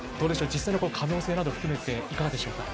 実際の可能性などいかがでしょうか？